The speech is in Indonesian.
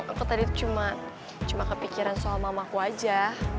aku tadi cuma kepikiran soal mamaku aja